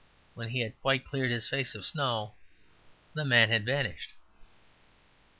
When he had quite cleared his face of snow the man had vanished.